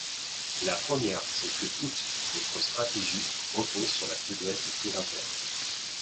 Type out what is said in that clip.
La première, c’est que toute votre stratégie repose sur la faiblesse des taux d’intérêt.